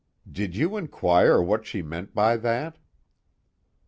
'" "Did you inquire what she meant by that?"